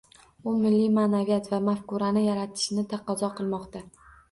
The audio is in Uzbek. U milliy maʼnaviyat va mafkurani yaratishni taqozo qilmoqda.